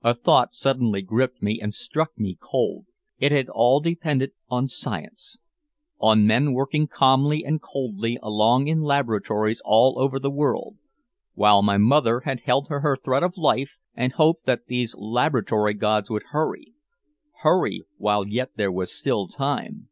A thought suddenly gripped me and struck me cold. It had all depended on science, on men working calmly and coldly along in laboratories all over the world, while my mother had held to her thread of life and hoped that these laboratory gods would hurry, hurry while yet there was time!